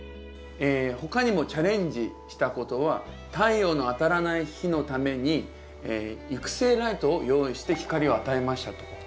他にもチャレンジしたことは「太陽の当たらない日のために育成ライトを用意して光を与えました」と。